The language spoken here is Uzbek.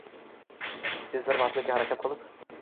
Sezdirmaslikka harakat qilib